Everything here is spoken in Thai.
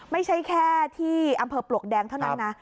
ไม่ใช่แค่ที่อำเภอปลวกแดงเท่านั้นนะ